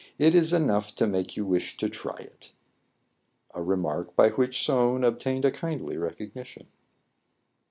" It is enough to make you wish to try it." A remark by which Soun obtained a kindly recognition.